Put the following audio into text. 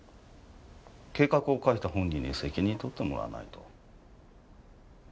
計画を書いた本人に責任とってもらわないと。